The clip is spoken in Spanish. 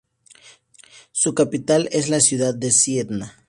Su capital es la ciudad de Siena.